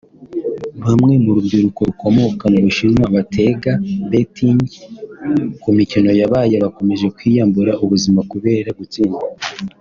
bamwe mu rubyiruko rukomoka mu Bushinwa batega (betting) ku mikino yabaye bakomeje kwiyambura ubuzima kubera gutsindwa